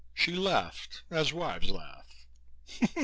She laughed, as wives laugh.